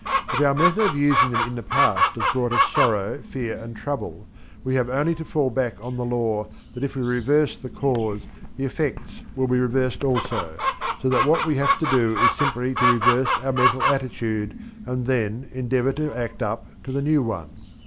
If our method of using them in the past has brought us sorrow, fear and trouble, we have only to fall back on the law that if we reverse the cause the effects will be reversed also; and so what we have to do is simply to reverse our mental attitude and then endeavour to act up to the new one.